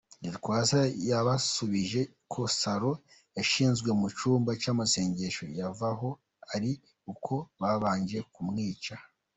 Gitwaza yabasubije ko salon yashinzwe mu cyumba cy’amasengesho, yavaho ari uko babanje kumwica.